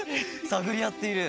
さぐりあってる。